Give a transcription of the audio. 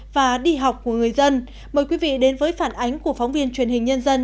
và đi học của người dân mời quý vị đến với phản ánh của phóng viên truyền hình nhân dân